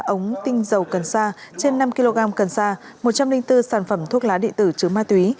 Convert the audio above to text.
hai mươi ống tinh dầu cần sa trên năm kg cần sa một trăm linh bốn sản phẩm thuốc lá địa tử chứa ma túy